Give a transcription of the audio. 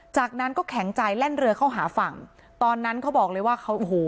จากนั้นก็แข็งใจแล่นเรือเข้าหาฝั่งตอนนั้นเขาบอกเลยว่าเขาโอ้โห